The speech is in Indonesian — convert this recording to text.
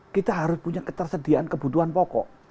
kita harus punya ketersediaan kebutuhan pokok